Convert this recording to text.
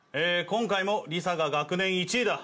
今回もりさが学年１位だ。